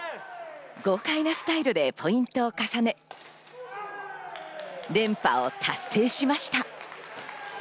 豪快なスタイルでポイントを重ね、連覇を達成しました。